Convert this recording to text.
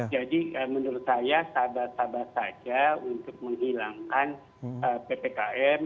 jadi menurut saya sabar sabar saja untuk menghilangkan ppkm